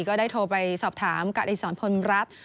ก็ได้โทรไปสอบถามกับอิสรพลรัฐ